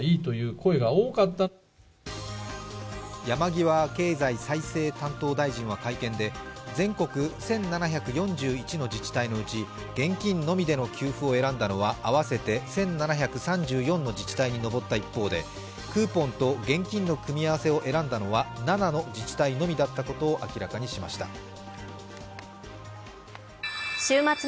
山際経済再生担当大臣は会見で、全国１７４１の自治体のうち現金のみでの給付を選んだのは合わせて１７３４の自治体に上った一方でクーポンと現金の組み合わせを選んだのは７の自治体のみだったことを明らかにしました。